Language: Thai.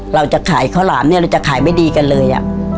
เราจะขายข้าวหลามเนี่ยเราจะขายไม่ดีกันเลย